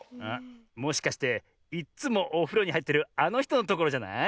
もしかしていっつもおふろにはいってるあのひとのところじゃない？